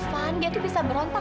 van dia itu bisa berontak